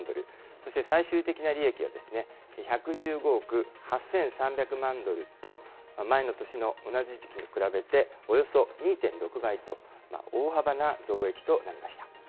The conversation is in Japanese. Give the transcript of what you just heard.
そして最終的な利益は１１５億８３００万ドルと、前の年の同じ時期に比べて、およそ２．６倍と大幅な増益となりました。